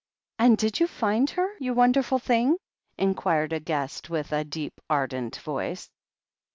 "And did you find her, you wonderful thing?" in quired a guest with a deep, ardent voice.